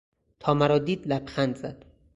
تا مرا دید لبخند زد.